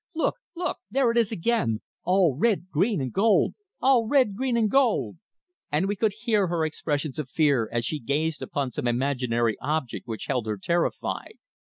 Look! Look! There it is again all red, green and gold! all red, green and gold!" And we could hear her expressions of fear as she gazed upon some imaginary object which held her terrified.